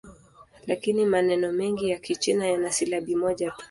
Lakini maneno mengi ya Kichina yana silabi moja tu.